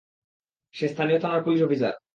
সে স্থানীয় থানার police officer.